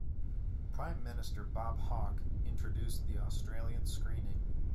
Prime Minister Bob Hawke introduced the Australian screening.